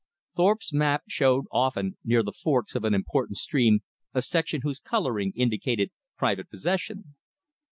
Thorpe's map showed often near the forks of an important stream a section whose coloring indicated private possession.